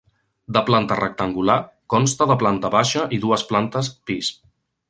De planta rectangular, consta de planta baixa i dues plantes pis.